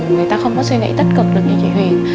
người ta không có suy nghĩ tích cực được như chị huyền